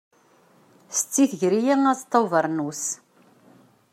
Setti tger-iyi aẓeṭṭa n ubernus.